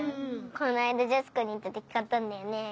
この間ジャスコに行った時買ったんだよね。